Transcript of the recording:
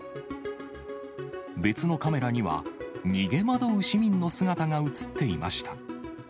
別のカメラには、逃げ惑う市民の姿が写っていました。